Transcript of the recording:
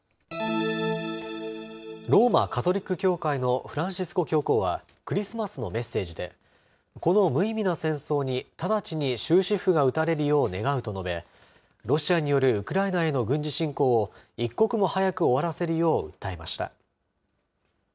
ローマ・カトリック教会のフランシスコ教皇は、クリスマスのメッセージで、この無意味な戦争に直ちに終止符が打たれるよう願うと述べ、ロシアによるウクライナへの軍事侵攻を一刻も早く終わらせるよう訴えました。